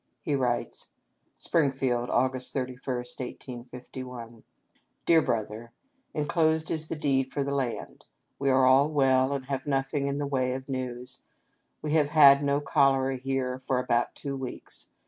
He writes : "Springfield, Aug. 31, 1851. " Dear Brother :" Inclosed is the deed for the land. We are all well, and have nothing in the way of news. We have had no cholera here for about two weeks.